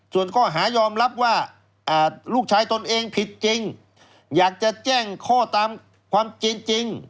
ส่วนข้อหายอมรับว่าลูกชายตนเองผิดจริงอยากจะแจ้งข้อตามความจริง